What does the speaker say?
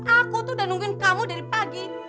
aku tuh udah nungguin kamu dari pagi